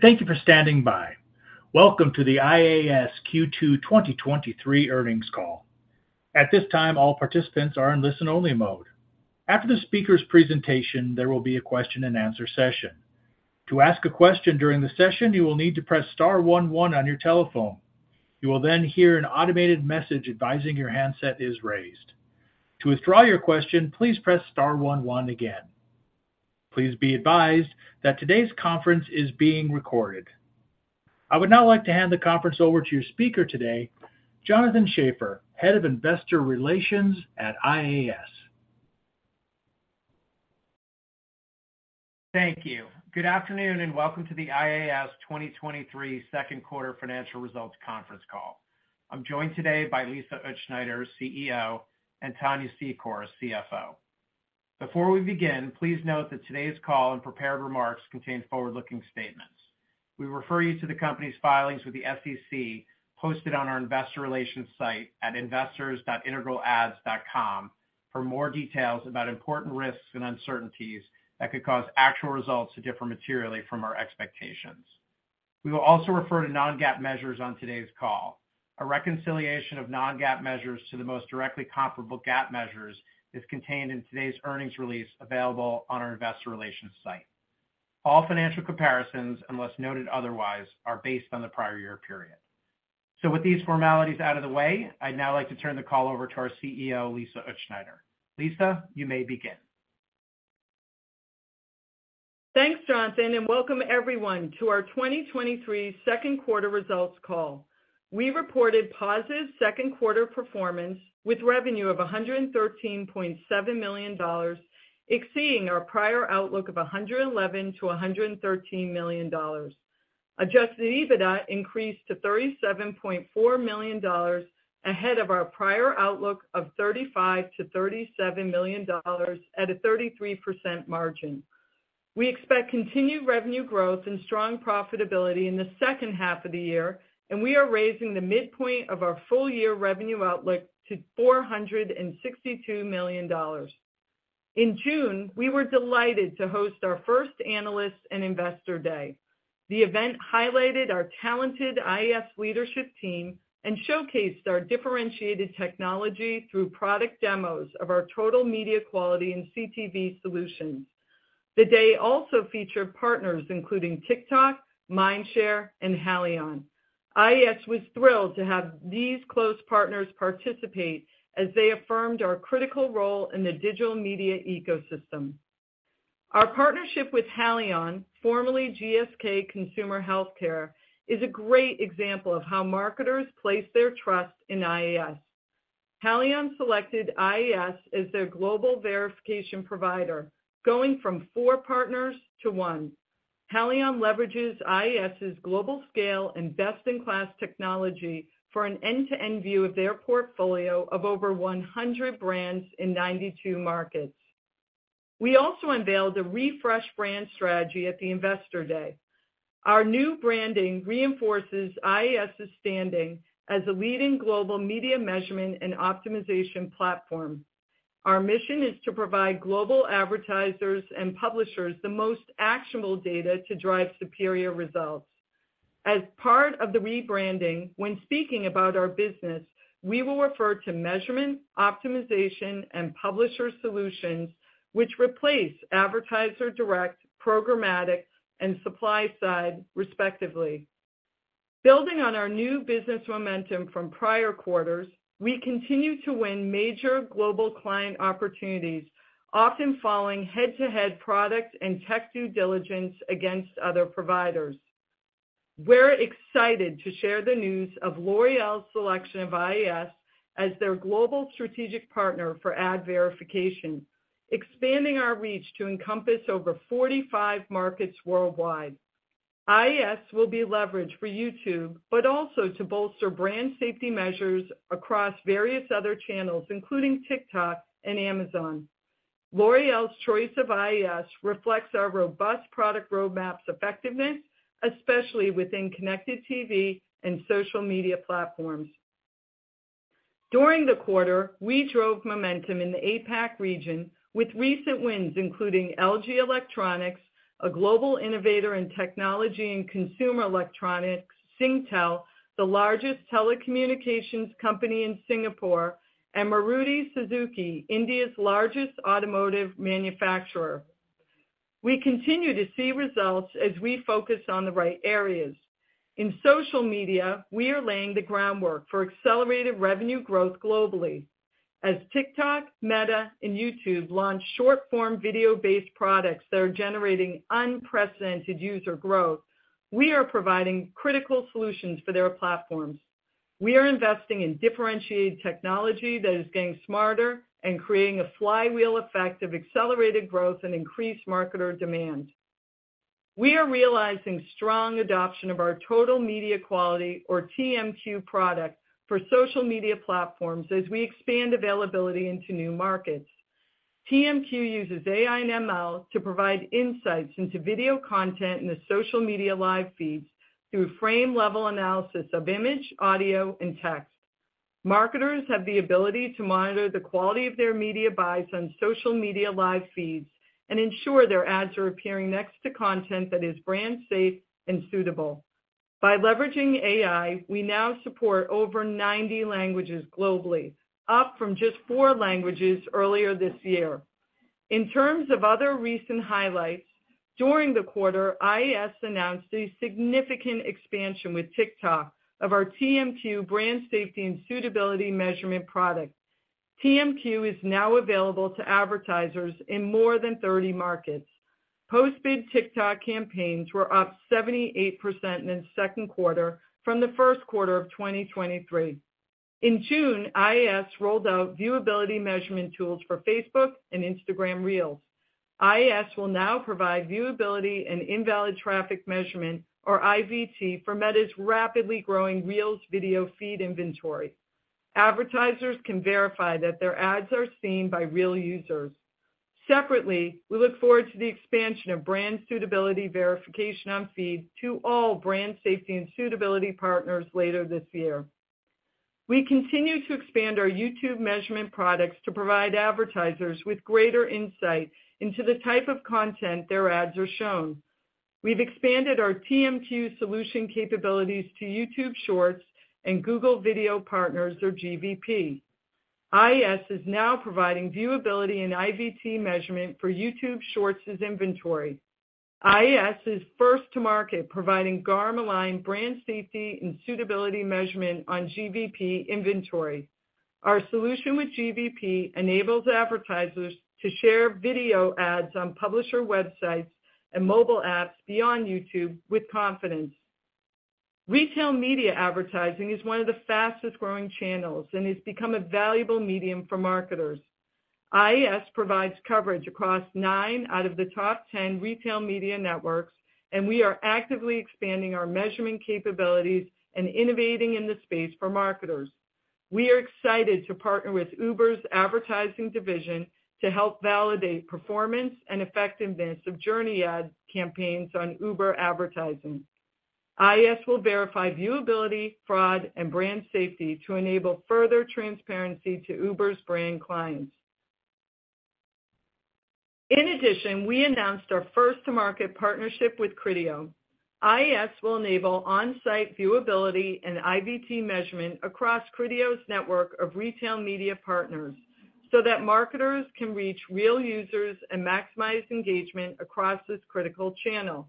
Thank you for standing by. Welcome to the IAS Q2 2023 earnings call. At this time, all participants are in listen-only mode. After the speaker's presentation, there will be a question-and-answer session. To ask a question during the session, you will need to press star one one on your telephone. You will then hear an automated message advising your handset is raised. To withdraw your question, please press star one one again. Please be advised that today's conference is being recorded. I would now like to hand the conference over to your speaker today, Jonathan Schaffer, Head of Investor Relations at IAS. Thank you. Good afternoon, and welcome to the IAS 2023 second quarter financial results conference call. I'm joined today by Lisa Utzschneider, CEO, and Tania Secor, CFO. Before we begin, please note that today's call and prepared remarks contain forward-looking statements. We refer you to the company's filings with the SEC, posted on our investor relations site at investors.integralads.com, for more details about important risks and uncertainties that could cause actual results to differ materially from our expectations. We will also refer to non-GAAP measures on today's call. A reconciliation of non-GAAP measures to the most directly comparable GAAP measures is contained in today's earnings release, available on our investor relations site. All financial comparisons, unless noted otherwise, are based on the prior year period. With these formalities out of the way, I'd now like to turn the call over to our CEO, Lisa Utzschneider. Lisa, you may begin. Thanks, Jonathan, welcome everyone to our 2023 second quarter results call. We reported positive second quarter performance, with revenue of $113.7 million, exceeding our prior outlook of $111 million-$113 million. Adjusted EBITDA increased to $37.4 million, ahead of our prior outlook of $35 million-$37 million at a 33% margin. We expect continued revenue growth and strong profitability in the second half of the year, we are raising the midpoint of our full-year revenue outlook to $462 million. In June, we were delighted to host our first Analyst and Investor Day. The event highlighted our talented IAS leadership team and showcased our differentiated technology through product demos of our Total Media Quality and CTV solutions. The day also featured partners, including TikTok, Mindshare, and Haleon. IAS was thrilled to have these close partners participate as they affirmed our critical role in the digital media ecosystem. Our partnership with Haleon, formerly GSK Consumer Healthcare, is a great example of how marketers place their trust in IAS. Haleon selected IAS as their global verification provider, going from four partners to one. Haleon leverages IAS's global scale and best-in-class technology for an end-to-end view of their portfolio of over 100 brands in 92 markets. We also unveiled a refreshed brand strategy at the Investor Day. Our new branding reinforces IAS's standing as a leading global media measurement and optimization platform. Our mission is to provide global advertisers and publishers the most actionable data to drive superior results. As part of the rebranding, when speaking about our business, we will refer to measurement, optimization, and publisher solutions, which replace advertiser direct, programmatic, and supply side, respectively. Building on our new business momentum from prior quarters, we continue to win major global client opportunities, often following head-to-head product and tech due diligence against other providers. We're excited to share the news of L'Oréal's selection of IAS as their global strategic partner for ad verification, expanding our reach to encompass over 45 markets worldwide. IAS will be leveraged for YouTube, but also to bolster brand safety measures across various other channels, including TikTok and Amazon. L'Oréal's choice of IAS reflects our robust product roadmap's effectiveness, especially within Connected TV and social media platforms. During the quarter, we drove momentum in the APAC region with recent wins, including LG Electronics, a global innovator in technology and consumer electronics, Singtel, the largest telecommunications company in Singapore, and Maruti Suzuki, India's largest automotive manufacturer. We continue to see results as we focus on the right areas. In social media, we are laying the groundwork for accelerated revenue growth globally. As TikTok, Meta, and YouTube launch short-form, video-based products that are generating unprecedented user growth, we are providing critical solutions for their platforms. We are investing in differentiated technology that is getting smarter and creating a flywheel effect of accelerated growth and increased marketer demand. We are realizing strong adoption of our Total Media Quality, or TMQ product, for social media platforms as we expand availability into new markets. TMQ uses AI and ML to provide insights into video content in the social media live feeds through frame-level analysis of image, audio, and text. Marketers have the ability to monitor the quality of their media buys on social media live feeds and ensure their ads are appearing next to content that is brand safe and suitable. By leveraging AI, we now support over 90 languages globally, up from just four languages earlier this year. In terms of other recent highlights, during the quarter, IAS announced a significant expansion with TikTok of our TMQ brand safety and suitability measurement product. TMQ is now available to advertisers in more than 30 markets. Post-bid TikTok campaigns were up 78% in the second quarter from the first quarter of 2023. In June, IAS rolled out viewability measurement tools for Facebook and Instagram Reels. IAS will now provide viewability and invalid traffic measurement, or IVT, for Meta's rapidly growing Reels video feed inventory. Advertisers can verify that their ads are seen by real users. Separately, we look forward to the expansion of brand suitability verification on feed to all brand safety and suitability partners later this year. We continue to expand our YouTube measurement products to provide advertisers with greater insight into the type of content their ads are shown. We've expanded our TMQ solution capabilities to YouTube Shorts and Google Video Partners, or GVP. IAS is now providing viewability and IVT measurement for YouTube Shorts's inventory. IAS is first to market, providing GARM-aligned brand safety and suitability measurement on GVP inventory. Our solution with GVP enables advertisers to share video ads on publisher websites and mobile apps beyond YouTube with confidence. Retail media advertising is one of the fastest-growing channels and has become a valuable medium for marketers. IAS provides coverage across nine out of the top 10 retail media networks. We are actively expanding our measurement capabilities and innovating in the space for marketers. We are excited to partner with Uber's advertising division to help validate performance and effectiveness of journey ad campaigns on Uber advertising. IAS will verify viewability, fraud, and brand safety to enable further transparency to Uber's brand clients. In addition, we announced our first-to-market partnership with Criteo. IAS will enable on-site viewability and IVT measurement across Criteo's network of retail media partners, so that marketers can reach real users and maximize engagement across this critical channel.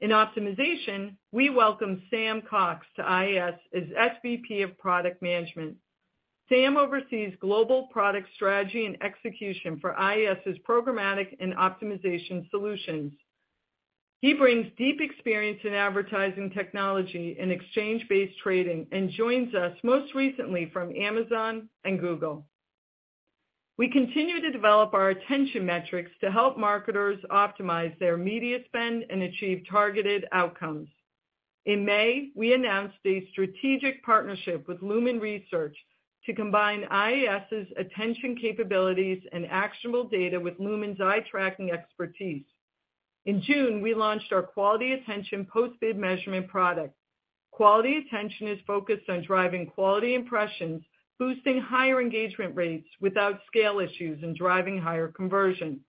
In optimization, we welcome Sam Cox to IAS as SVP of Product Management. Sam oversees global product strategy and execution for IAS's programmatic and optimization solutions. He brings deep experience in advertising technology and exchange-based trading, and joins us most recently from Amazon and Google. We continue to develop our attention metrics to help marketers optimize their media spend and achieve targeted outcomes. In May, We announced a strategic partnership with Lumen Research to combine IAS's attention capabilities and actionable data with Lumen's eye tracking expertise. In June, we launched our Quality Attention post-bid measurement product. Quality Attention is focused on driving quality impressions, boosting higher engagement rates without scale issues, and driving higher conversion.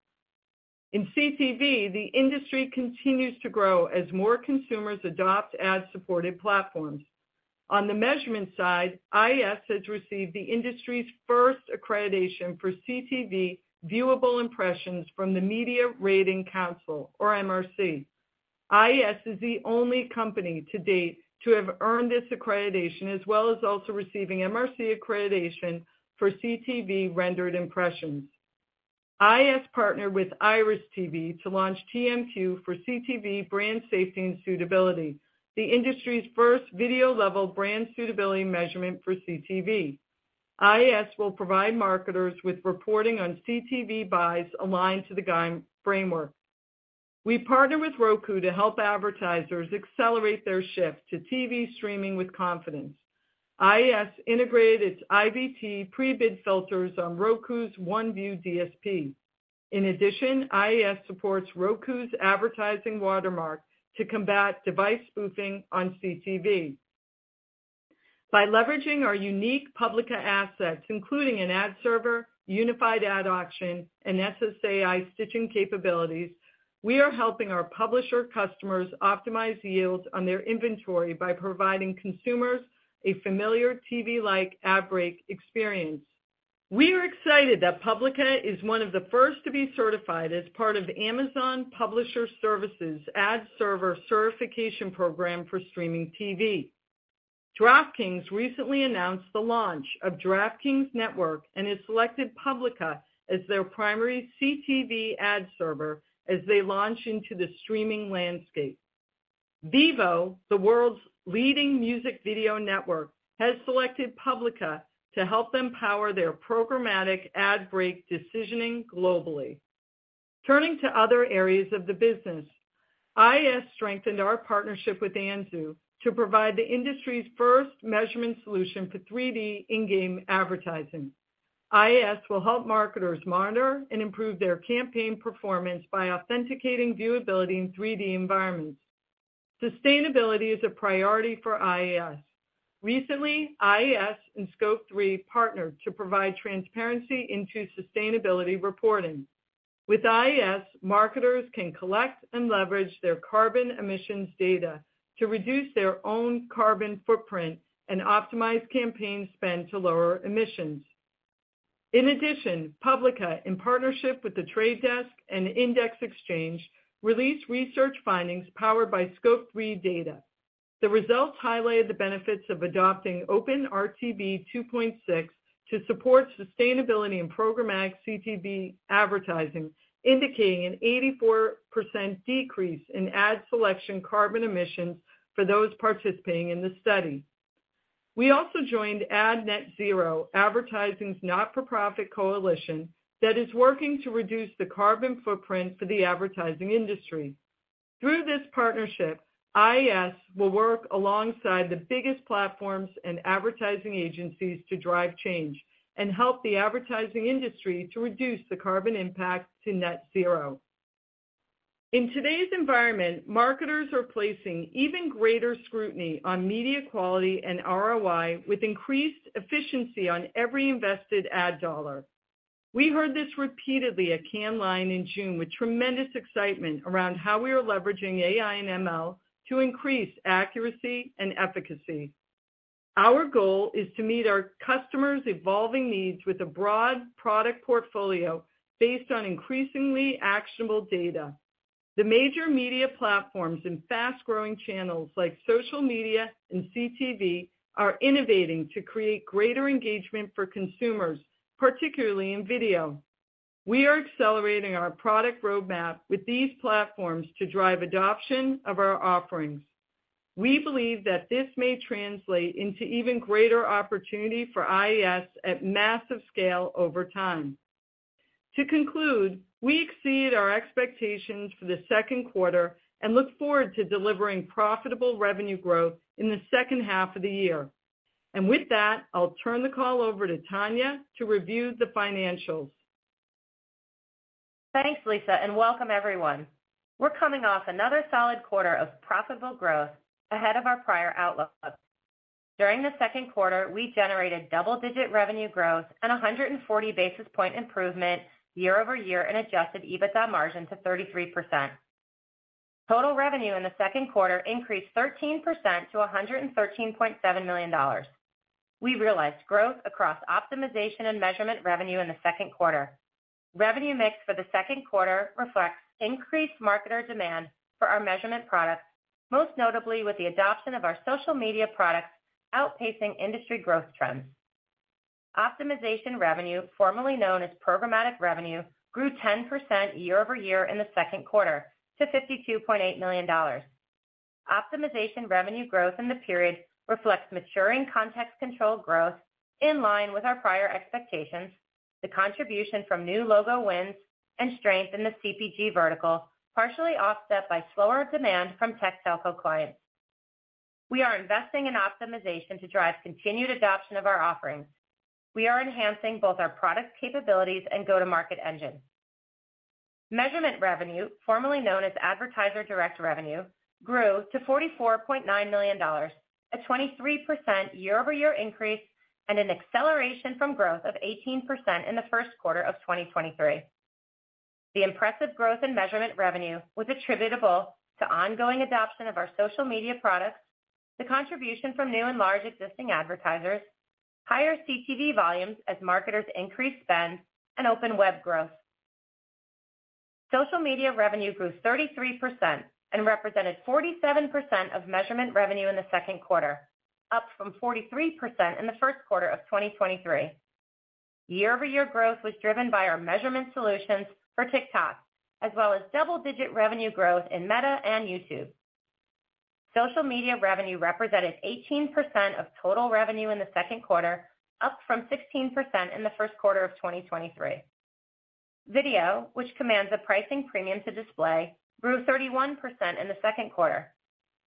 In CTV, the industry continues to grow as more consumers adopt ad-supported platforms. On the measurement side, IAS has received the industry's first accreditation for CTV viewable impressions from the Media Rating Council, or MRC. IAS is the only company to date to have earned this accreditation, as well as also receiving MRC accreditation for CTV rendered impressions. IAS partnered with IRIS.TV to launch TMQ for CTV brand safety and suitability, the industry's first video-level brand suitability measurement for CTV. IAS will provide marketers with reporting on CTV buys aligned to the GARM framework. We partnered with Roku to help advertisers accelerate their shift to TV streaming with confidence. IAS integrated its IVT pre-bid filters on Roku's OneView DSP. In addition, IAS supports Roku's advertising watermark to combat device spoofing on CTV. By leveraging our unique Publica assets, including an ad server, unified ad auction, and SSAI stitching capabilities, we are helping our publisher customers optimize yields on their inventory by providing consumers a familiar TV-like ad break experience. We are excited that Publica is one of the first to be certified as part of Amazon Publisher Services' Ad Server Certification Program for streaming TV. DraftKings recently announced the launch of DraftKings Network and has selected Publica as their primary CTV ad server as they launch into the streaming landscape. Vevo, the world's leading music video network, has selected Publica to help them power their programmatic ad break decisioning globally. Turning to other areas of the business, IAS strengthened our partnership with Anzu to provide the industry's first measurement solution for 3D in-game advertising. IAS will help marketers monitor and improve their campaign performance by authenticating viewability in 3D environments. Sustainability is a priority for IAS. Recently, IAS and Scope3 partnered to provide transparency into sustainability reporting. With IAS, marketers can collect and leverage their carbon emissions data to reduce their own carbon footprint and optimize campaign spend to lower emissions. In addition, Publica, in partnership with The Trade Desk and Index Exchange, released research findings powered by Scope3 data. The results highlighted the benefits of adopting OpenRTB 2.6 to support sustainability in programmatic CTV advertising, indicating an 84% decrease in ad selection carbon emissions for those participating in the study. We also joined Ad Net Zero, advertising's not-for-profit coalition, that is working to reduce the carbon footprint for the advertising industry. Through this partnership, IAS will work alongside the biggest platforms and advertising agencies to drive change and help the advertising industry to reduce the carbon impact to net zero. In today's environment, marketers are placing even greater scrutiny on media quality and ROI, with increased efficiency on every invested ad dollar. We heard this repeatedly at Cannes Lions in June, with tremendous excitement around how we are leveraging AI and ML to increase accuracy and efficacy. Our goal is to meet our customers' evolving needs with a broad product portfolio based on increasingly actionable data. The major media platforms and fast-growing channels, like social media and CTV, are innovating to create greater engagement for consumers, particularly in video. We are accelerating our product roadmap with these platforms to drive adoption of our offerings. We believe that this may translate into even greater opportunity for IAS at massive scale over time. To conclude, we exceed our expectations for the second quarter and look forward to delivering profitable revenue growth in the second half of the year. With that, I'll turn the call over to Tania to review the financials. Thanks, Lisa, and welcome everyone. We're coming off another solid quarter of profitable growth ahead of our prior outlook. During the second quarter, we generated double-digit revenue growth and 140 basis point improvement year-over-year in adjusted EBITDA margin to 33%. Total revenue in the second quarter increased 13% to $113.7 million. We realized growth across optimization and measurement revenue in the second quarter. Revenue mix for the second quarter reflects increased marketer demand for our measurement products, most notably with the adoption of our social media products outpacing industry growth trends. Optimization revenue, formerly known as programmatic revenue, grew 10% year-over-year in the second quarter to $52.8 million. Optimization revenue growth in the period reflects maturing Context Control growth in line with our prior expectations, the contribution from new logo wins, and strength in the CPG vertical, partially offset by slower demand from tech telco clients. We are investing in optimization to drive continued adoption of our offerings. We are enhancing both our product capabilities and go-to-market engine. Measurement revenue, formerly known as advertiser-direct revenue, grew to $44.9 million, a 23% year-over-year increase and an acceleration from growth of 18% in the first quarter of 2023. The impressive growth in measurement revenue was attributable to ongoing adoption of our social media products, the contribution from new and large existing advertisers, higher CTV volumes as marketers increased spend, and open web growth. Social media revenue grew 33% and represented 47% of measurement revenue in the second quarter, up from 43% in the first quarter of 2023. Year-over-year growth was driven by our measurement solutions for TikTok, as well as double-digit revenue growth in Meta and YouTube. Social media revenue represented 18% of total revenue in the second quarter, up from 16% in the first quarter of 2023. Video, which commands a pricing premium to display, grew 31% in the second quarter.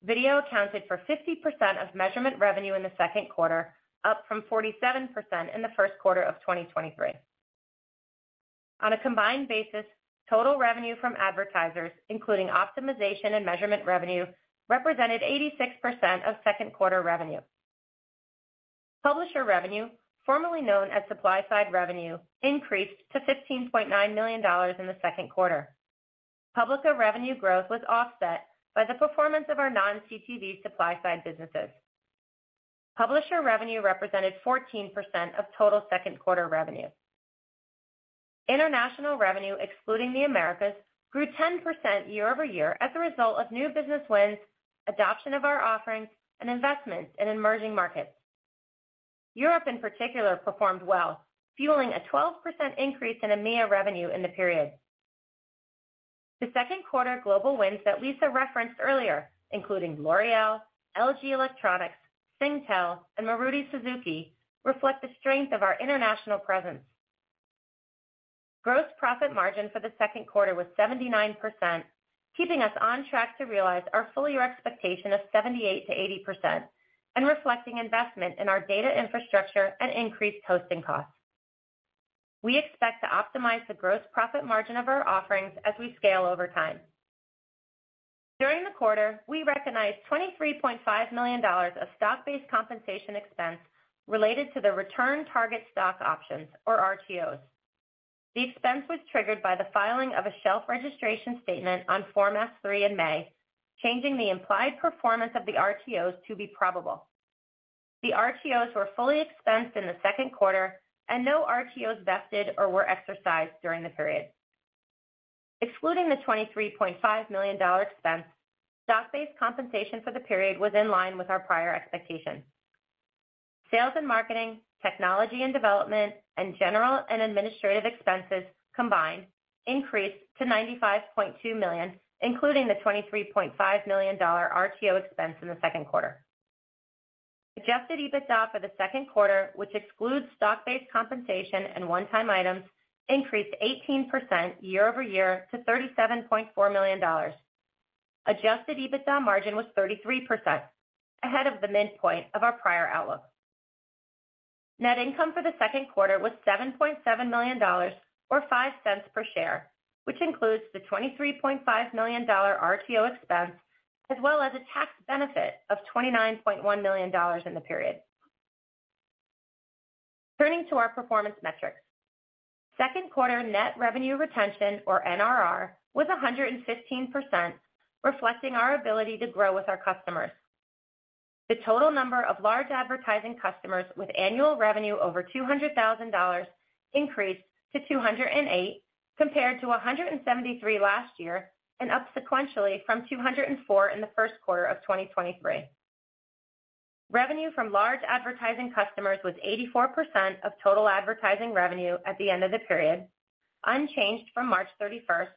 Video accounted for 50% of measurement revenue in the second quarter, up from 47% in the first quarter of 2023. On a combined basis, total revenue from advertisers, including optimization and measurement revenue, represented 86% of second quarter revenue. Publisher revenue, formerly known as supply-side revenue, increased to $15.9 million in the second quarter. Publisher revenue growth was offset by the performance of our non-CTV supply-side businesses. Publisher revenue represented 14% of total second quarter revenue. International revenue, excluding the Americas, grew 10% year-over-year as a result of new business wins, adoption of our offerings, and investments in emerging markets. Europe, in particular, performed well, fueling a 12% increase in EMEA revenue in the period. The second quarter global wins that Lisa referenced earlier, including L'Oréal, LG Electronics, Singtel, and Maruti Suzuki, reflect the strength of our international presence. Gross profit margin for the second quarter was 79%, keeping us on track to realize our full year expectation of 78%-80% and reflecting investment in our data infrastructure and increased hosting costs. We expect to optimize the gross profit margin of our offerings as we scale over time. During the quarter, we recognized $23.5 million of stock-based compensation expense related to the return target stock options, or RTOs. The expense was triggered by the filing of a shelf registration statement on Form S-3 in May, changing the implied performance of the RTOs to be probable. The RTOs were fully expensed in the second quarter, and no RTOs vested or were exercised during the period. Excluding the $23.5 million expense, stock-based compensation for the period was in line with our prior expectations. Sales and marketing, technology and development, and general and administrative expenses combined increased to $95.2 million, including the $23.5 million RTO expense in the second quarter. Adjusted EBITDA for the second quarter, which excludes stock-based compensation and one-time items, increased 18% year-over-year to $37.4 million. Adjusted EBITDA margin was 33%, ahead of the midpoint of our prior outlook. Net income for the second quarter was $7.7 million, or $0.05 per share, which includes the $23.5 million RTO expense, as well as a tax benefit of $29.1 million in the period. Turning to our performance metrics. Second quarter net revenue retention, or NRR, was 115%, reflecting our ability to grow with our customers. The total number of large advertising customers with annual revenue over $200,000 increased to 208, compared to 173 last year and up sequentially from 204 in the first quarter of 2023. Revenue from large advertising customers was 84% of total advertising revenue at the end of the period, unchanged from March 31st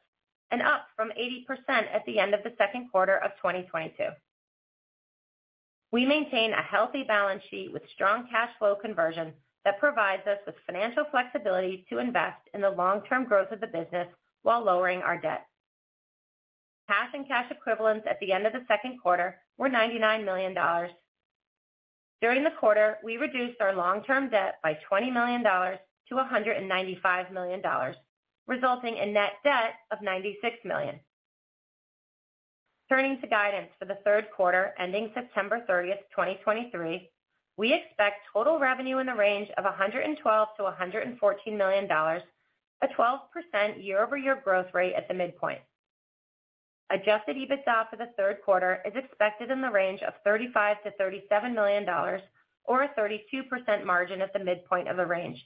and up from 80% at the end of the second quarter of 2022. We maintain a healthy balance sheet with strong cash flow conversion that provides us with financial flexibility to invest in the long-term growth of the business while lowering our debt. Cash and cash equivalents at the end of the second quarter were $99 million. During the quarter, we reduced our long-term debt by $20 million to $195 million, resulting in net debt of $96 million. Turning to guidance for the third quarter, ending September 30th, 2023, we expect total revenue in the range of $112 million-$114 million, a 12% year-over-year growth rate at the midpoint. Adjusted EBITDA for the third quarter is expected in the range of $35 million-$37 million, or a 32% margin at the midpoint of the range.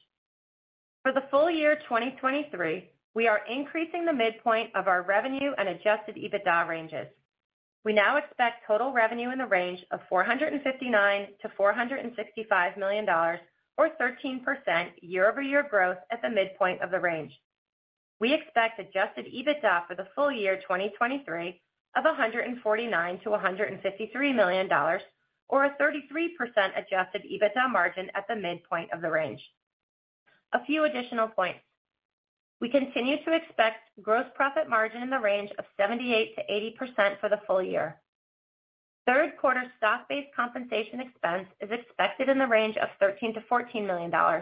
For the full year 2023, we are increasing the midpoint of our revenue and adjusted EBITDA ranges. We now expect total revenue in the range of $459 million-$465 million or 13% year-over-year growth at the midpoint of the range. We expect adjusted EBITDA for the full year 2023 of $149 million-$153 million, or a 33% adjusted EBITDA margin at the midpoint of the range. A few additional points. We continue to expect gross profit margin in the range of 78%-80% for the full year. Third quarter stock-based compensation expense is expected in the range of $13 million-$14 million.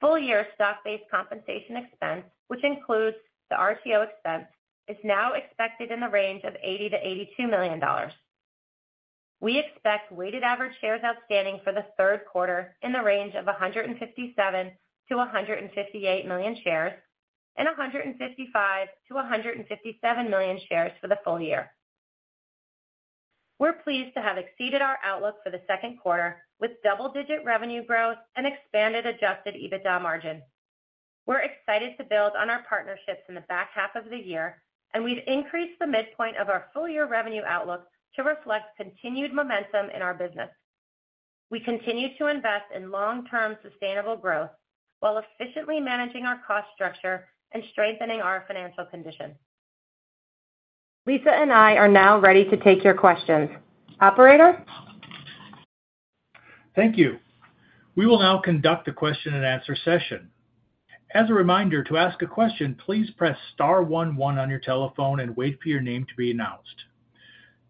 Full-year stock-based compensation expense, which includes the RTO expense, is now expected in the range of $80 million-$82 million. We expect weighted average shares outstanding for the third quarter in the range of 157 million-158 million shares, and 155 million-157 million shares for the full year. We're pleased to have exceeded our outlook for the second quarter with double-digit revenue growth and expanded adjusted EBITDA margin. We're excited to build on our partnerships in the back half of the year, and we've increased the midpoint of our full-year revenue outlook to reflect continued momentum in our business. We continue to invest in long-term sustainable growth while efficiently managing our cost structure and strengthening our financial condition. Lisa and I are now ready to take your questions. Operator? Thank you. We will now conduct a question-and-answer session. As a reminder, to ask a question, please press star one one on your telephone and wait for your name to be announced.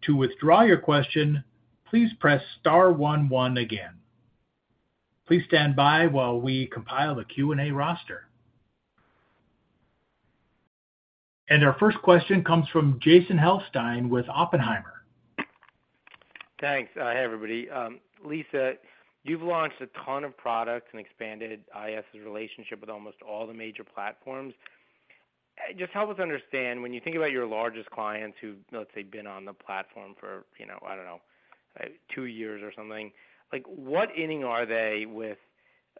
To withdraw your question, please press star one one again. Please stand by while we compile the Q&A roster. Our first question comes from Jason Helfstein with Oppenheimer. Thanks. Hey, everybody. Lisa, you've launched a ton of products and expanded IAS's relationship with almost all the major platforms. Just help us understand, when you think about your largest clients who've, let's say, been on the platform for, you know, I don't know, two years or something, like, what inning are they with,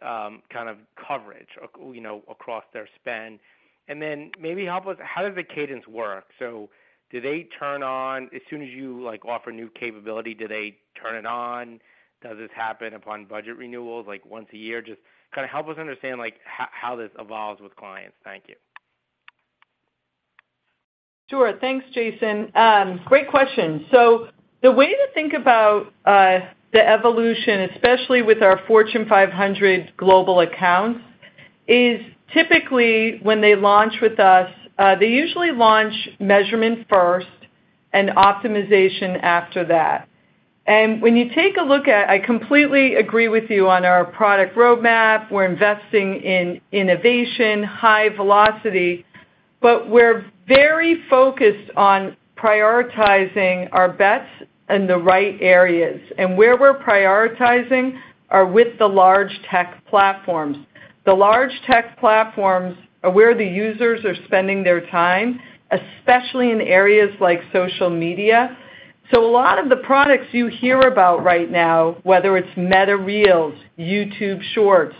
kind of coverage, you know, across their spend? Then maybe help us. How does the cadence work? Do they turn on... As soon as you, like, offer new capability, do they turn it on? Does this happen upon budget renewals, like once a year? Just kind of help us understand, like, how, how this evolves with clients. Thank you. Sure. Thanks, Jason. Great question. The way to think about the evolution, especially with our Fortune 500 global accounts, is typically when they launch with us, they usually launch measurement first and optimization after that... When you take a look at, I completely agree with you on our product roadmap. We're investing in innovation, high velocity, but we're very focused on prioritizing our bets in the right areas. Where we're prioritizing are with the large tech platforms. The large tech platforms are where the users are spending their time, especially in areas like social media. A lot of the products you hear about right now, whether it's Meta Reels, YouTube Shorts,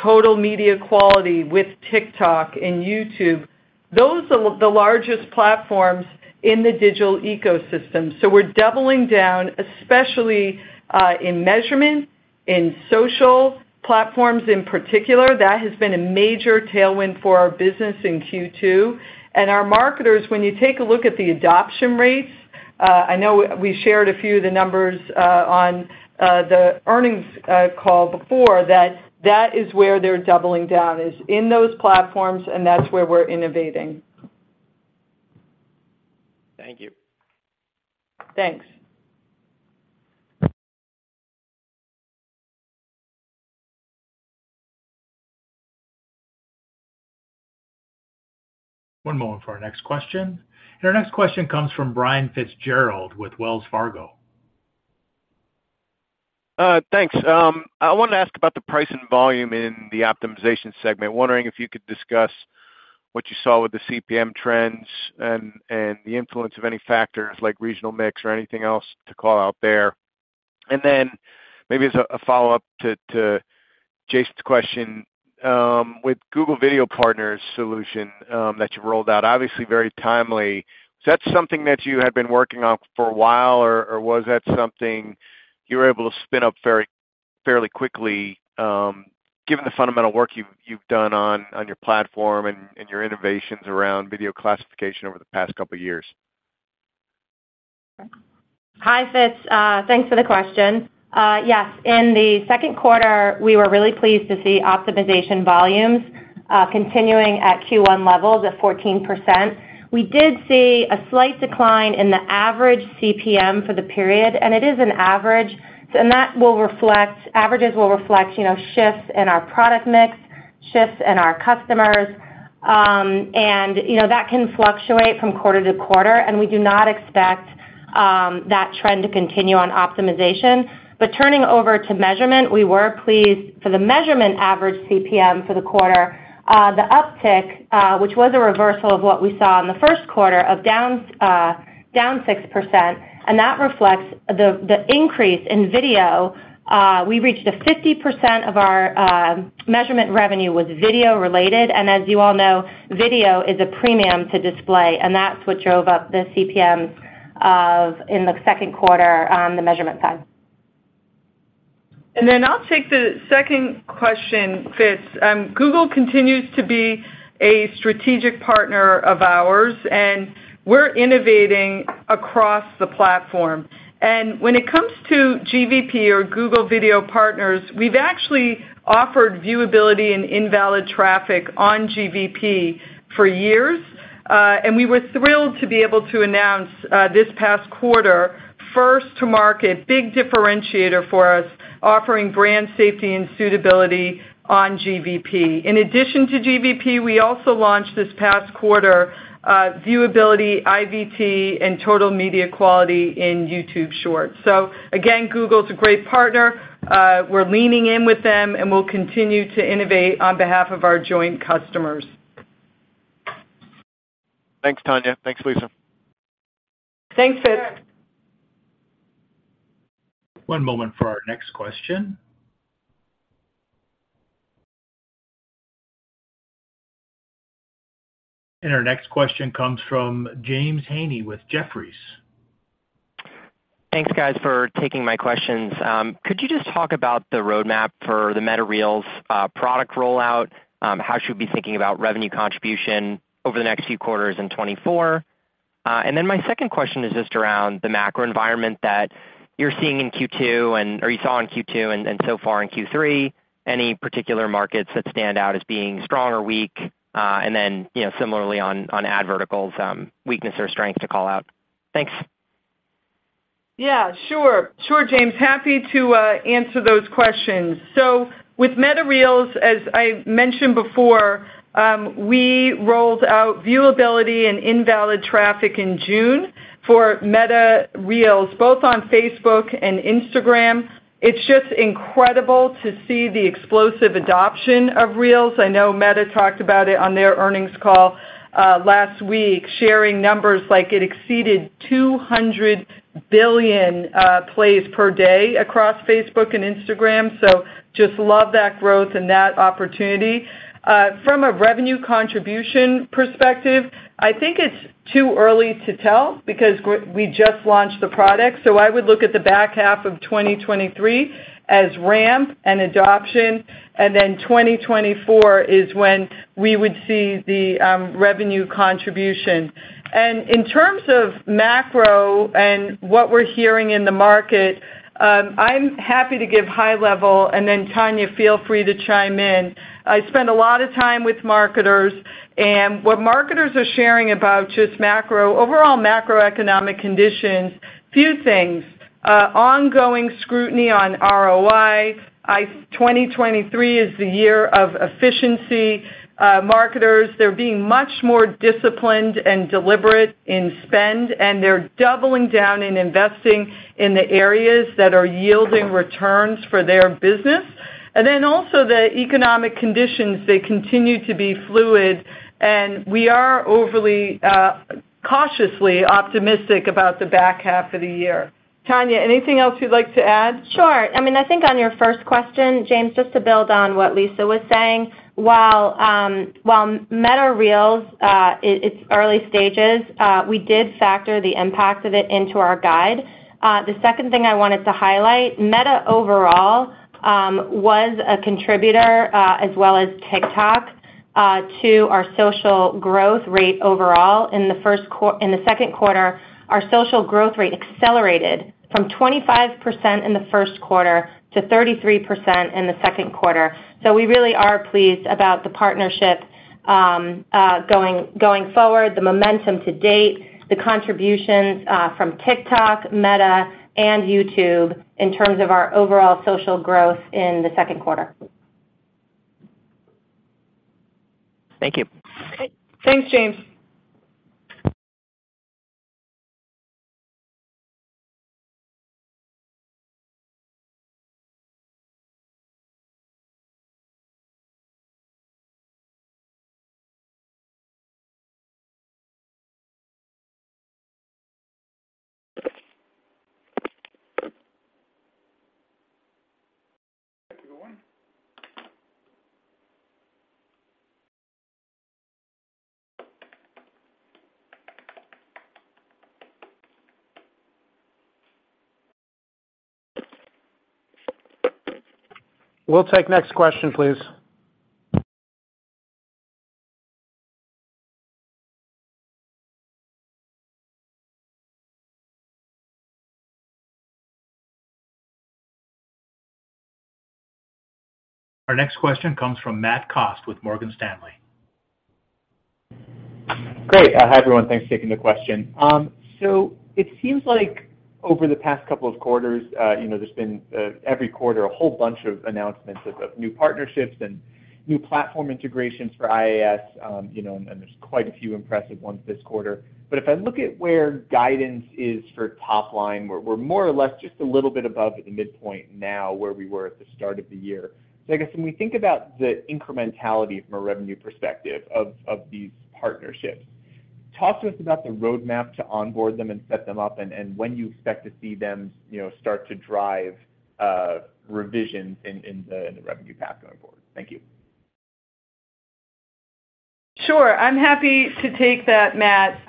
Total Media Quality with TikTok and YouTube, those are the largest platforms in the digital ecosystem. We're doubling down, especially, in measurement, in social platforms in particular. That has been a major tailwind for our business in Q2. Our marketers, when you take a look at the adoption rates, I know we shared a few of the numbers on the earnings call before, that that is where they're doubling down, is in those platforms, and that's where we're innovating. Thank you. Thanks. One moment for our next question. Our next question comes from Brian Fitzgerald with Wells Fargo. Thanks. I wanted to ask about the price and volume in the optimization segment. Wondering if you could discuss what you saw with the CPM trends and, and the influence of any factors like regional mix or anything else to call out there? Then maybe as a, a follow-up to, to Jason's question, with Google Video Partners solution, that you rolled out, obviously very timely, is that something that you had been working on for a while, or, or was that something you were able to spin up fairly quickly, given the fundamental work you've, you've done on, on your platform and, and your innovations around video classification over the past couple of years? Hi, Fitz. Thanks for the question. Yes, in the second quarter, we were really pleased to see optimization volumes continuing at Q1 levels at 14%. We did see a slight decline in the average CPM for the period, and it is an average, and that will reflect averages will reflect, you know, shifts in our product mix, shifts in our customers, and, you know, that can fluctuate from quarter to quarter, and we do not expect that trend to continue on optimization. Turning over to measurement, we were pleased. For the measurement average CPM for the quarter, the uptick, which was a reversal of what we saw in the first quarter, of down 6%, and that reflects the increase in video. we reached a 50% of our measurement revenue was video-related, and as you all know, video is a premium to display, and that's what drove up the CPM in the second quarter on the measurement side. I'll take the second question, Fitz. Google continues to be a strategic partner of ours, and we're innovating across the platform. When it comes to GVP or Google Video Partners, we've actually offered viewability and invalid traffic on GVP for years, and we were thrilled to be able to announce this past quarter, first to market, big differentiator for us, offering brand safety and suitability on GVP. In addition to GVP, we also launched this past quarter, viewability, IVT, and Total Media Quality in YouTube Shorts. Again, Google is a great partner. We're leaning in with them, and we'll continue to innovate on behalf of our joint customers. Thanks, Tania. Thanks, Lisa. Thanks, Fitz. One moment for our next question. Our next question comes from James Heaney with Jefferies. Thanks, guys, for taking my questions. Could you just talk about the roadmap for the Meta Reels product rollout? How should we be thinking about revenue contribution over the next few quarters in 2024? My second question is just around the macro environment that you're seeing in Q2 and - or you saw in Q2 and, and so far in Q3, any particular markets that stand out as being strong or weak, and then, you know, similarly on, on ad verticals, weakness or strength to call out? Thanks. Yeah, sure. Sure, James. Happy to answer those questions. With Meta Reels, as I mentioned before, we rolled out viewability and invalid traffic in June for Meta Reels, both on Facebook and Instagram. It's just incredible to see the explosive adoption of Reels. I know Meta talked about it on their earnings call last week, sharing numbers like it exceeded 200 billion plays per day across Facebook and Instagram. Just love that growth and that opportunity. From a revenue contribution perspective, I think it's too early to tell because we just launched the product, so I would look at the back half of 2023 as ramp and adoption, and then 2024 is when we would see the revenue contribution. In terms of macro and what we're hearing in the market, I'm happy to give high level, and then Tania, feel free to chime in. I spend a lot of time with marketers, and what marketers are sharing about just macro, overall macroeconomic conditions, few things: ongoing scrutiny on ROI. 2023 is the year of efficiency. Marketers, they're being much more disciplined and deliberate in spend, and they're doubling down in investing in the areas that are yielding returns for their business. Also the economic conditions, they continue to be fluid, and we are overly, cautiously optimistic about the back half of the year. Tania, anything else you'd like to add? Sure. I mean, I think on your first question, James, just to build on what Lisa was saying, while, while Meta Reels, it's early stages, we did factor the impact of it into our guide. The second thing I wanted to highlight, Meta, overall, was a contributor, as well as TikTok, to our social growth rate overall. In the second quarter, our social growth rate accelerated from 25% in the first quarter to 33% in the second quarter. We really are pleased about the partnership, going, going forward, the momentum to date, the contributions, from TikTok, Meta, and YouTube in terms of our overall social growth in the second quarter. Thank you. Okay. Thanks, James. We'll take next question, please. Our next question comes from Matthew Cost with Morgan Stanley. Great! Hi, everyone, thanks for taking the question. It seems like over the past couple of quarters, you know, there's been every quarter, a whole bunch of announcements of new partnerships and new platform integrations for IAS, you know, and there's quite a few impressive ones this quarter. If I look at where guidance is for top line, we're more or less just a little bit above the midpoint now, where we were at the start of the year. I guess when we think about the incrementality from a revenue perspective of these partnerships, talk to us about the roadmap to onboard them and set them up, and when you expect to see them, you know, start to drive revisions in the revenue path going forward. Thank you. Sure. I'm happy to take that, Matt.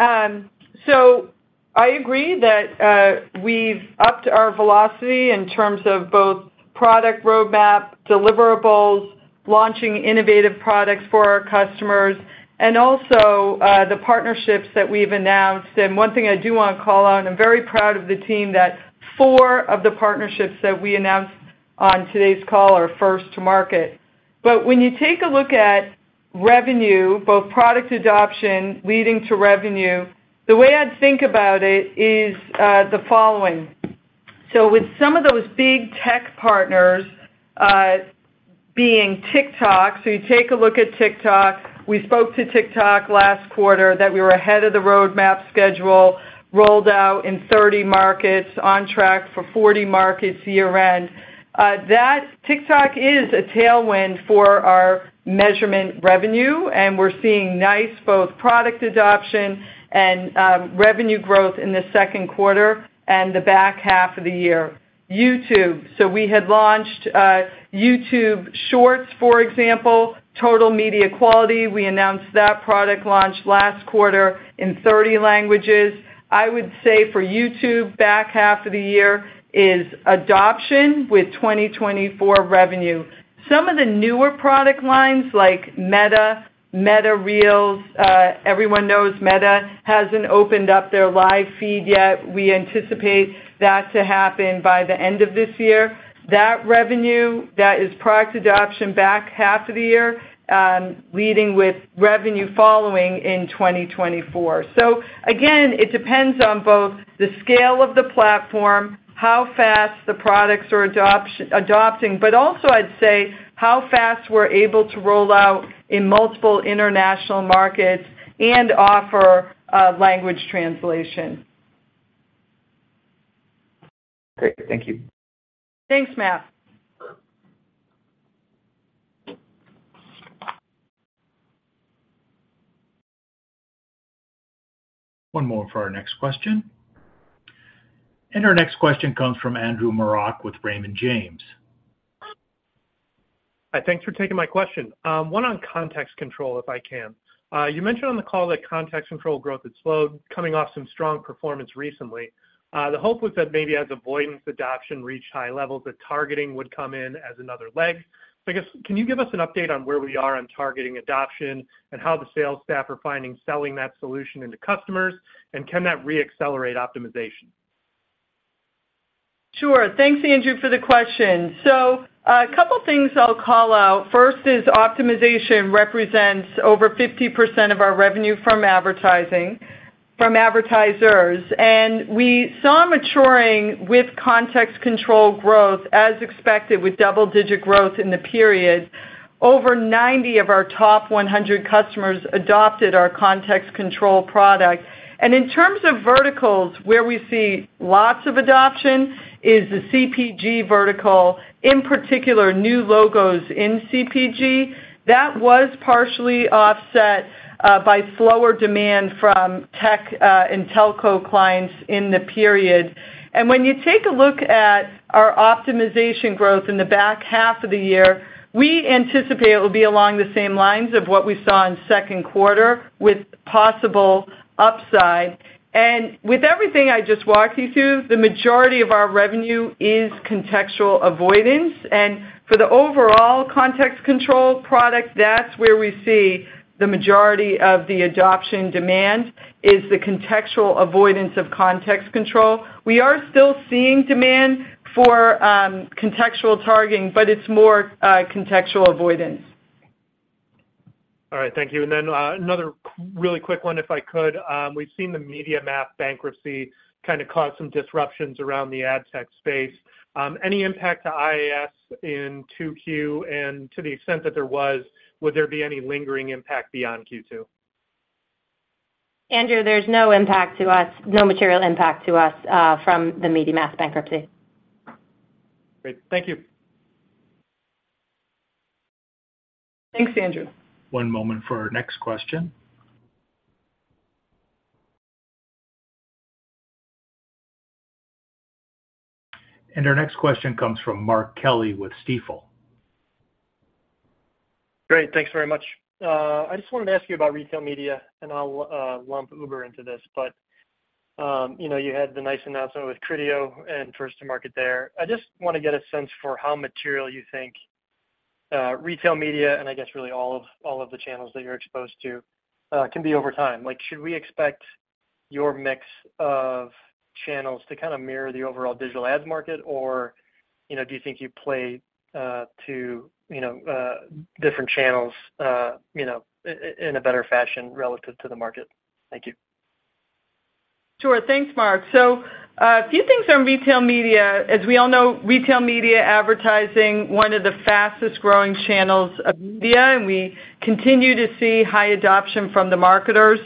I agree that we've upped our velocity in terms of both product roadmap, deliverables, launching innovative products for our customers, and also the partnerships that we've announced. One thing I do want to call out, I'm very proud of the team that four of the partnerships that we announced on today's call are first to market. When you take a look at revenue, both product adoption leading to revenue, the way I'd think about it is the following: With some of those big tech partners, being TikTok, you take a look at TikTok. We spoke to TikTok last quarter that we were ahead of the roadmap schedule, rolled out in 30 markets, on track for 40 markets year-end. that TikTok is a tailwind for our measurement revenue, and we're seeing nice, both product adoption and revenue growth in the second quarter and the back half of the year. YouTube, we had launched YouTube Shorts, for example, Total Media Quality. We announced that product launch last quarter in 30 languages. I would say for YouTube, back half of the year is adoption with 2024 revenue. Some of the newer product lines like Meta, Meta Reels. Everyone knows Meta hasn't opened up their live feed yet. We anticipate that to happen by the end of this year. That revenue, that is product adoption back half of the year, leading with revenue following in 2024. Again, it depends on both the scale of the platform, how fast the products are adopting, but also I'd say, how fast we're able to roll out in multiple international markets and offer a language translation. Great. Thank you. Thanks, Matt. One more for our next question. Our next question comes from Andrew Marok with Raymond James. Hi, thanks for taking my question. One on Context Control, if I can. You mentioned on the call that Context Control growth had slowed, coming off some strong performance recently. The hope was that maybe as avoidance adoption reached high levels, the targeting would come in as another leg. I guess, can you give us an update on where we are on targeting adoption and how the sales staff are finding selling that solution into customers, and can that reaccelerate optimization? Sure. Thanks, Andrew, for the question. A couple things I'll call out. First is, optimization represents over 50% of our revenue from advertising, from advertisers. We saw maturing with Context Control growth as expected, with double-digit growth in the period. Over 90 of our top 100 customers adopted our Context Control product. In terms of verticals, where we see lots of adoption is the CPG vertical, in particular, new logos in CPG. That was partially offset by slower demand from tech and telco clients in the period. When you take a look at our optimization growth in the back half of the year, we anticipate it will be along the same lines of what we saw in second quarter, with possible upside. With everything I just walked you through, the majority of our revenue is contextual avoidance, and for the overall Context Control product, that's where we see the majority of the adoption demand, is the contextual avoidance of Context Control. We are still seeing demand for contextual targeting, but it's more contextual avoidance. All right, thank you. Another really quick one, if I could. We've seen the MediaMath bankruptcy kind of cause some disruptions around the ad tech space. Any impact to IAS in 2Q, and to the extent that there was, would there be any lingering impact beyond Q2? Andrew, there's no impact to us, no material impact to us, from the MediaMath bankruptcy. Great. Thank you. Thanks, Andrew. One moment for our next question. Our next question comes from Mark Kelley with Stifel. Great. Thanks very much. I just wanted to ask you about retail media, and I'll lump Uber into this, but, you know, you had the nice announcement with Criteo and first to market there. I just wanna get a sense for how material you think retail media, and I guess really all of, all of the channels that you're exposed to, can be over time. Like, should we expect your mix of channels to kind of mirror the overall digital ads market? Or, you know, do you think you play to, you know, different channels, in a better fashion relative to the market? Thank you. Sure. Thanks, Mark. A few things on retail media. As we all know, retail media advertising, one of the fastest-growing channels of media, and we continue to see high adoption from the marketers.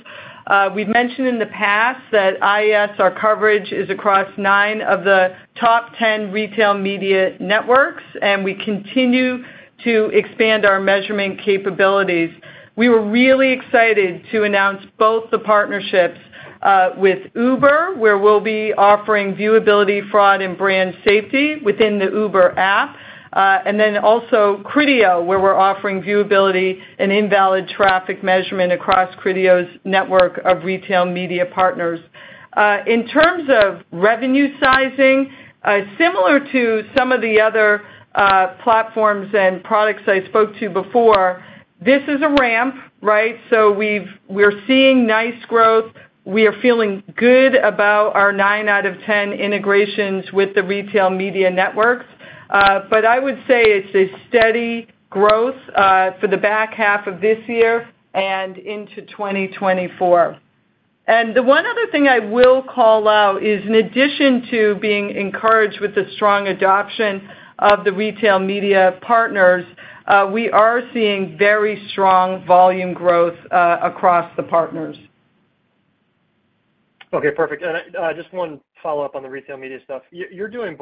We've mentioned in the past that IAS, our coverage, is across nine of the top 10 retail media networks, and we continue to expand our measurement capabilities. We were really excited to announce both the partnerships with Uber, where we'll be offering viewability, fraud, and brand safety within the Uber app. Also Criteo, where we're offering viewability and invalid traffic measurement across Criteo's network of retail media partners. In terms of revenue sizing, similar to some of the other platforms and products I spoke to before, this is a ramp, right? We're seeing nice growth. We are feeling good about our nine out of 10 integrations with the retail media networks. I would say it's a steady growth for the back half of this year and into 2024. The one other thing I will call out is, in addition to being encouraged with the strong adoption of the retail media partners, we are seeing very strong volume growth across the partners. Okay, perfect. Just one follow-up on the retail media stuff. You, you're doing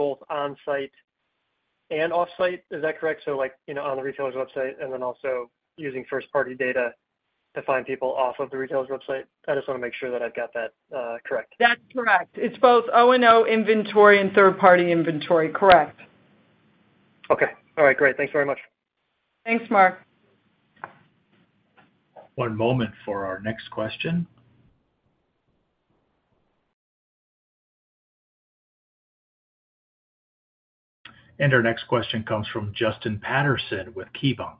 both on-site and off-site, is that correct? Like, you know, on the retailer's website and then also using first-party data to find people off of the retailer's website. I just wanna make sure that I've got that correct. That's correct. It's both O&O inventory and third-party inventory. Correct. Okay. All right, great. Thanks very much. Thanks, Mark. One moment for our next question. Our next question comes from Justin Patterson with KeyBanc.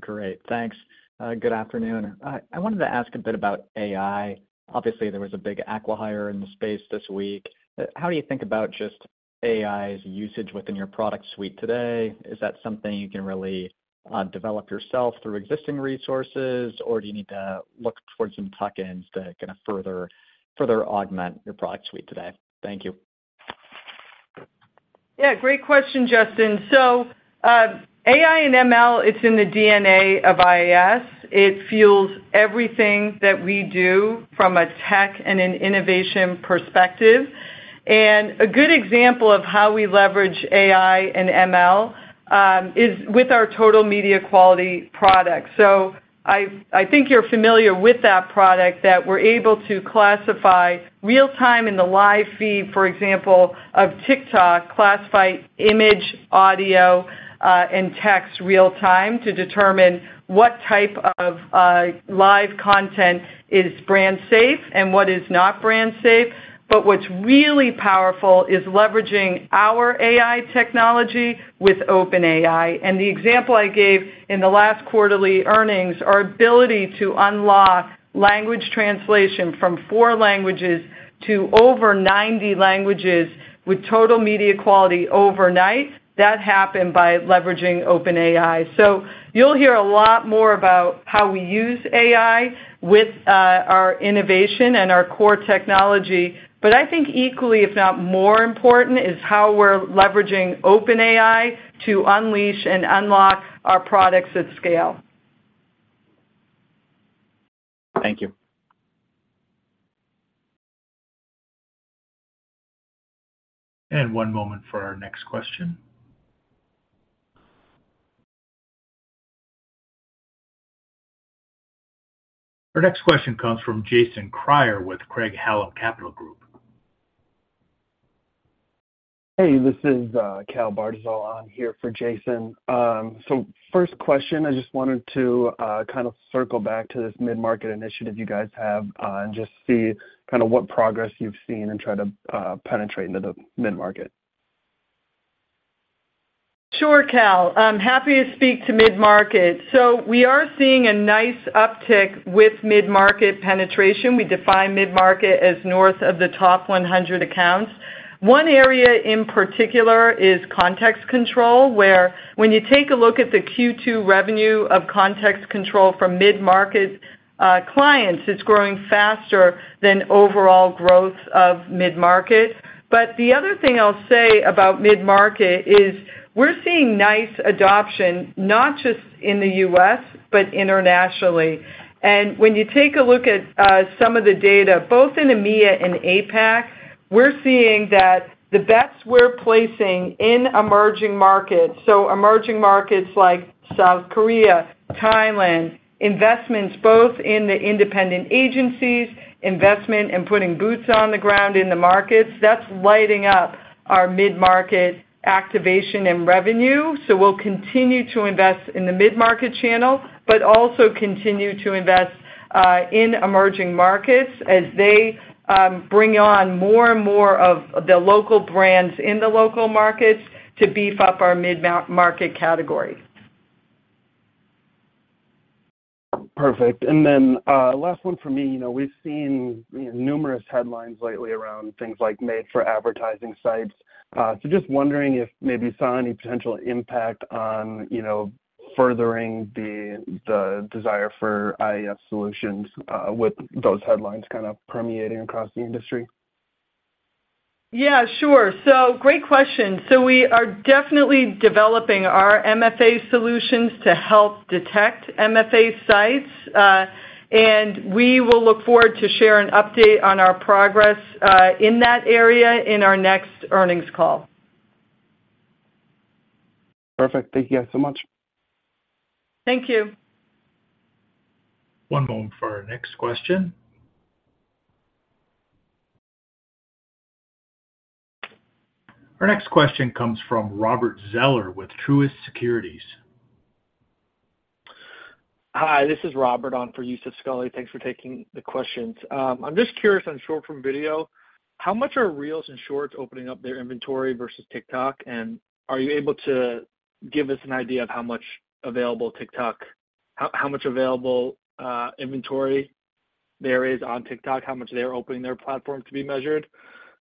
Great. Thanks. Good afternoon. I, I wanted to ask a bit about AI. Obviously, there was a big acquihire in the space this week. How do you think about just AI's usage within your product suite today? Is that something you can really develop yourself through existing resources, or do you need to look towards some plug-ins to kind of further, further augment your product suite today? Thank you. Yeah, great question, Justin. AI and ML, it's in the D&A of IAS. It fuels everything that we do from a tech and an innovation perspective. A good example of how we leverage AI and ML, is with our Total Media Quality product. I think you're familiar with that product, that we're able to classify real-time in the live feed, for example, of TikTok, classify image, audio, and text real-time to determine what type of live content is brand safe and what is not brand safe. What's really powerful is leveraging our AI technology with OpenAI. The example I gave in the last quarterly earnings, our ability to unlock language translation from four languages to over 90 languages with Total Media Quality overnight, that happened by leveraging OpenAI. You'll hear a lot more about how we use AI with our innovation and our core technology, but I think equally, if not more important, is how we're leveraging OpenAI to unleash and unlock our products at scale. Thank you. One moment for our next question. Our next question comes from Jason Kreyer with Craig-Hallum Capital Group. Hey, this is Cal Bartyzal on here for Jason. First question, I just wanted to kind of circle back to this mid-market initiative you guys have and just see kind of what progress you've seen in trying to penetrate into the mid-market. Sure, Cal, I'm happy to speak to mid-market. We are seeing a nice uptick with mid-market penetration. We define mid-market as north of the top 100 accounts. One area in particular is Context Control, where when you take a look at the Q2 revenue of Context Control from mid-market clients, it's growing faster than overall growth of mid-market. The other thing I'll say about mid-market is we're seeing nice adoption, not just in the U.S., but internationally. When you take a look at some of the data, both in EMEA and APAC, we're seeing that the bets we're placing in emerging markets, so emerging markets like South Korea, Thailand, investments both in the independent agencies, investment in putting boots on the ground in the markets, that's lighting up our mid-market activation and revenue. We'll continue to invest in the mid-market channel, but also continue to invest in emerging markets as they bring on more and more of the local brands in the local markets to beef up our mid-market category. Perfect. Then, last one for me. You know, we've seen numerous headlines lately around things like made-for-advertising sites. So just wondering if maybe you saw any potential impact on, you know, furthering the, the desire for IAS solutions, with those headlines kind of permeating across the industry. Yeah, sure. Great question. We are definitely developing our MFA solutions to help detect MFA sites, and we will look forward to share an update on our progress in that area in our next earnings call. Perfect. Thank you guys so much. Thank you. One moment for our next question. Our next question comes from Robert Zeller with Truist Securities. Hi, this is Robert on for Youssef Squali. Thanks for taking the questions. I'm just curious on short form video, how much are Reels and Shorts opening up their inventory versus TikTok? Are you able to give us an idea of how much available, how, how much available inventory there is on TikTok, how much they are opening their platform to be measured?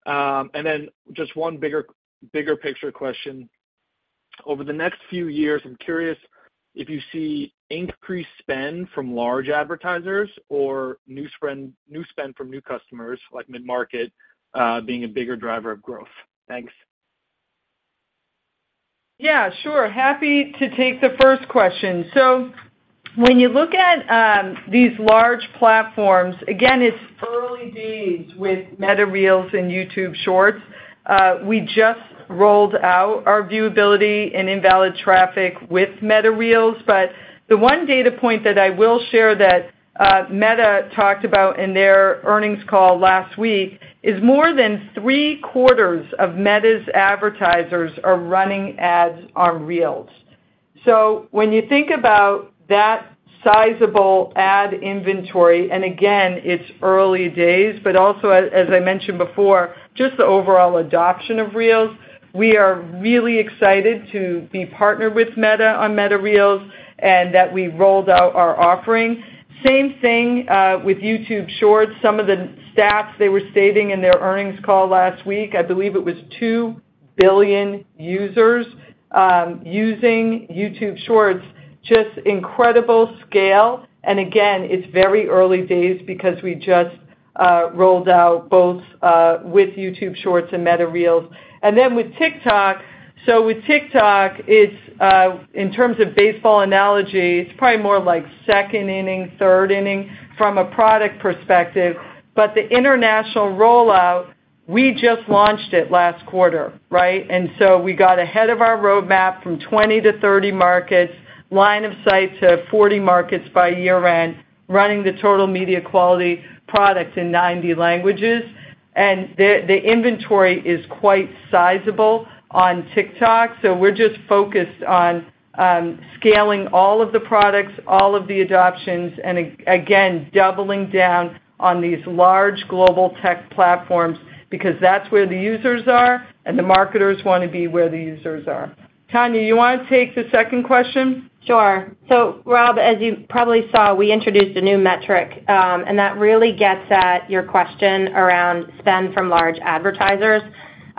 Then just one bigger, bigger picture question. Over the next few years, I'm curious if you see increased spend from large advertisers or new spend, new spend from new customers, like mid-market, being a bigger driver of growth. Thanks. Yeah, sure. Happy to take the first question. When you look at these large platforms, again, it's early days with Meta Reels and YouTube Shorts. We just rolled out our viewability and invalid traffic with Meta Reels, but the one data point that I will share that Meta talked about in their earnings call last week is more than three-quarters of Meta's advertisers are running ads on Reels. When you think about that sizable ad inventory, and again, it's early days, but also as, as I mentioned before, just the overall adoption of Reels, we are really excited to be partnered with Meta on Meta Reels and that we rolled out our offering. Same thing with YouTube Shorts. Some of the stats they were stating in their earnings call last week, I believe it was two billion users using YouTube Shorts. Just incredible scale. Again, it's very early days because we just rolled out both with YouTube Shorts and Meta Reels. Then with TikTok. With TikTok, it's in terms of baseball analogy, it's probably more like second inning, third inning from a product perspective. The international rollout, we just launched it last quarter, right? We got ahead of our roadmap from 20-30 markets, line of sight to 40 markets by year-end, running the Total Media Quality product in 90 languages. The inventory is quite sizable on TikTok, so we're just focused on scaling all of the products, all of the adoptions, and again, doubling down on these large global tech platforms, because that's where the users are, and the marketers want to be where the users are. Tania, you want to take the second question? Sure. Rob, as you probably saw, we introduced a new metric, and that really gets at your question around spend from large advertisers.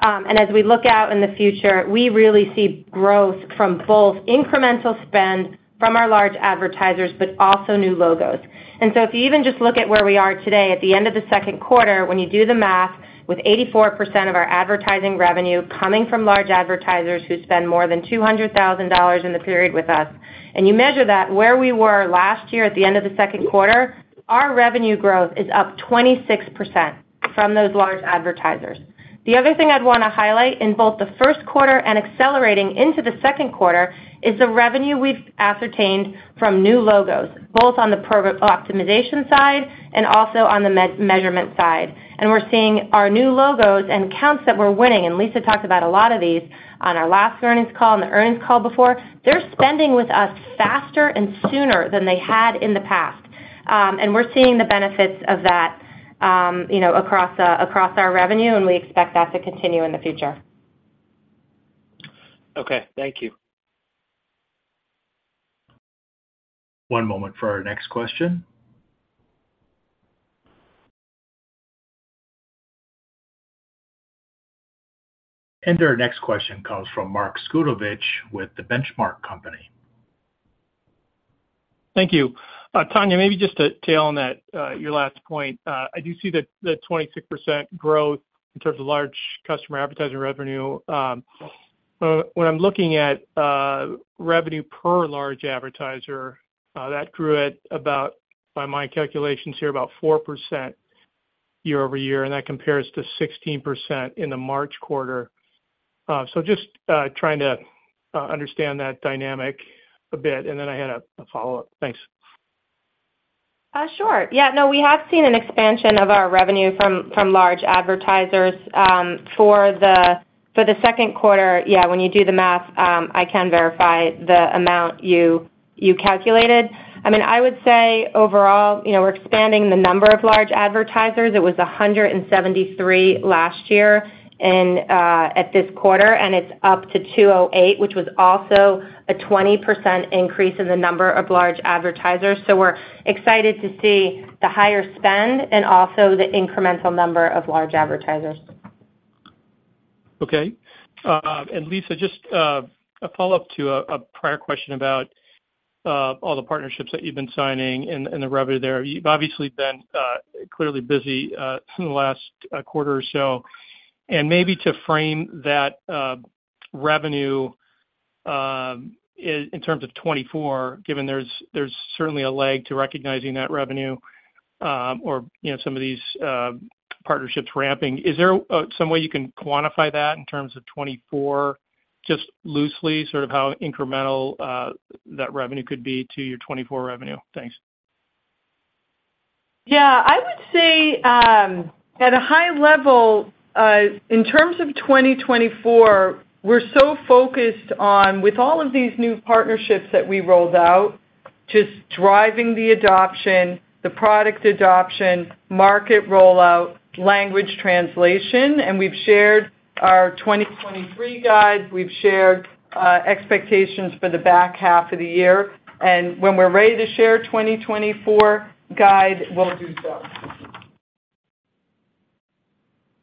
As we look out in the future, we really see growth from both incremental spend from our large advertisers, but also new logos. If you even just look at where we are today, at the end of the second quarter, when you do the math, with 84% of our advertising revenue coming from large advertisers who spend more than $200,000 in the period with us, and you measure that where we were last year at the end of the second quarter, our revenue growth is up 26% from those large advertisers. The other thing I'd wanna highlight in both the first quarter and accelerating into the second quarter, is the revenue we've ascertained from new logos, both on the optimization side and also on the measurement side. We're seeing our new logos and accounts that we're winning, and Lisa talked about a lot of these on our last earnings call and the earnings call before, they're spending with us faster and sooner than they had in the past. We're seeing the benefits of that, you know, across our revenue, and we expect that to continue in the future. Okay, thank you. One moment for our next question. Our next question comes from Mark Zgutowicz with The Benchmark Company. Thank you. Tania, maybe just to tail on that, your last point. I do see the 26% growth in terms of large customer advertising revenue. When I'm looking at, revenue per large advertiser, that grew at about, by my calculations here, about 4% year-over-year, and that compares to 16% in the March quarter. Just, trying to, understand that dynamic a bit, and then I had a, a follow-up. Thanks. Sure. Yeah, no, we have seen an expansion of our revenue from, from large advertisers. For the, for the second quarter, yeah, when you do the math, I can verify the amount you, you calculated. I mean, I would say overall, you know, we're expanding the number of large advertisers. It was 173 last year in, at this quarter, and it's up to 208, which was also a 20% increase in the number of large advertisers. We're excited to see the higher spend and also the incremental number of large advertisers. Okay. Lisa, just a follow-up to a prior question about all the partnerships that you've been signing and the revenue there. You've obviously been clearly busy in the last quarter or so. Maybe to frame that revenue in terms of 2024, given there's certainly a lag to recognizing that revenue, or, you know, some of these partnerships ramping. Is there some way you can quantify that in terms of 2024, just loosely sort of how incremental that revenue could be to your 2024 revenue? Thanks. Yeah. I would say, at a high level, in terms of 2024, we're so focused on, with all of these new partnerships that we rolled out, just driving the adoption, the product adoption, market rollout, language translation, and we've shared our 2023 guide. We've shared, expectations for the back half of the year, and when we're ready to share 2024 guide, we'll do so.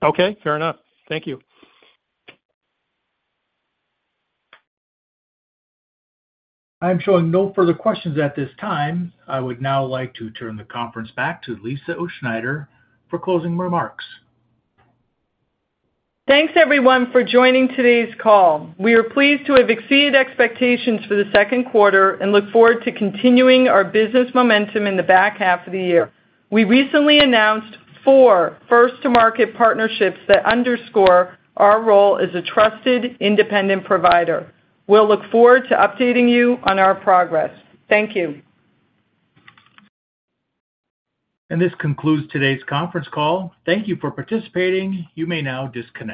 Okay, fair enough. Thank you. I'm showing no further questions at this time. I would now like to turn the conference back to Lisa Utzschneider for closing remarks. Thanks, everyone, for joining today's call. We are pleased to have exceeded expectations for the second quarter and look forward to continuing our business momentum in the back half of the year. We recently announced four first-to-market partnerships that underscore our role as a trusted independent provider. We'll look forward to updating you on our progress. Thank you. This concludes today's conference call. Thank you for participating. You may now disconnect.